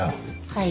はい。